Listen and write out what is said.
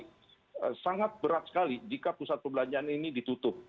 jadi sangat berat sekali jika pusat perbelanjaan ini ditutup